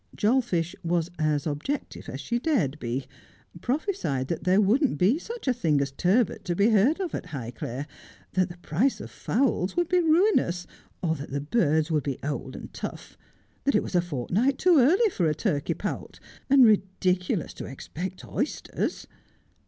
Jolfish was as objective as she dared be ; prophesied that there wouldn't be such a thing as turbot to be heard of at Highclere ; that the price of fowls would be ruinous ; or that the birds would be old and tough ; that it was a fortnight too early for a turkey poult, and ridiculous to expect oysters.